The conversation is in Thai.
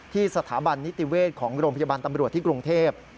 สถาบันนิติเวชของโรงพยาบาลตำรวจที่กรุงเทพ